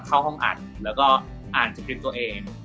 เข้าห้องอัดแล้วก็อ่านสคริปต์ตัวเอง